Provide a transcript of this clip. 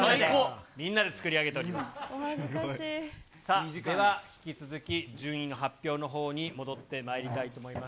さあ、では引き続き、順位の発表のほうに戻ってまいりたいと思います。